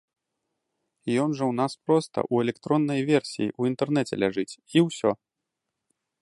Ён жа ў нас проста ў электроннай версіі ў інтэрнэце ляжыць, і ўсё.